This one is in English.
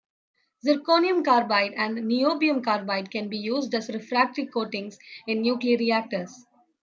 Zirconium carbide and niobium carbide can be used as refractory coatings in nuclear reactors.